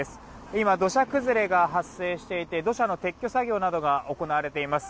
今、土砂崩れが発生していて土砂の撤去作業などが行われています。